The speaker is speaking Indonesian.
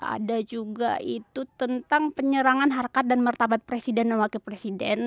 ada juga itu tentang penyerangan harkat dan martabat presiden dan wakil presiden